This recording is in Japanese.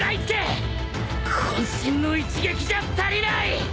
渾身の一撃じゃ足りない！